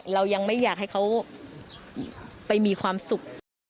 เรายังไม่อยากให้เขาไปมีความสุข